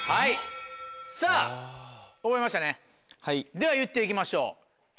では言っていきましょう。